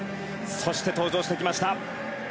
そして登場してきました。